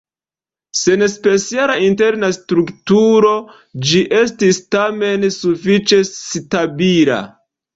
Sen speciala interna strukturo ĝi estis tamen sufiĉe stabila.